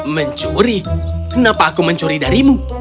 mencuri kenapa aku mencuri darimu